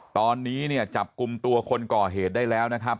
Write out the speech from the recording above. ตอนนี้เนี่ยจับกลุ่มตัวคนก่อเหตุได้แล้วนะครับ